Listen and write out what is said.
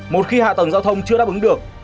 một khi hạ tầng giao thông chưa đáp ứng được